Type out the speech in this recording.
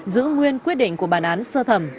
giữ nguyên quyết định của bản án sơ thẩm